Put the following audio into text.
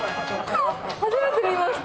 初めて見ました。